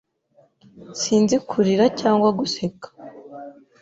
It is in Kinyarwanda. Sinzi kurira cyangwa guseka.